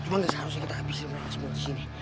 cuma gak seharusnya kita habisin mereka semua disini